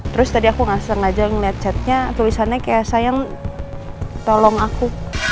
terus tadi aku gak sengaja ngeliat chatnya tulisannya kayak sayang tolong aku